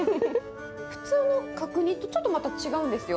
普通の角煮とちょっとまた違うんですよ。